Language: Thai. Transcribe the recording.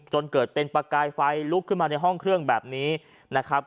จนเกิดเป็นประกายไฟลุกขึ้นมาในห้องเครื่องแบบนี้นะครับ